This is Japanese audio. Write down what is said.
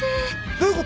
どういう事！？